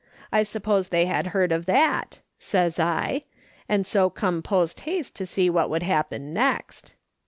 I suppose they had heard of that,' says I, ' and so came post haste to see what would happen next.'